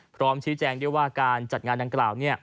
พร้อมชี้แจงด้วยว่าการจัดงานดังกล่าว